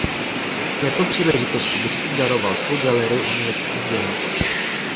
K této příležitosti biskup daroval svou galerii uměleckých děl.